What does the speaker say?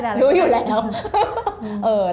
รู้อยู่แล้ว